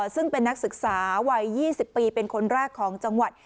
ซึ่งเป็นนักศึกษาวัย๒๐ปีเป็นคนแรกของจังหวัด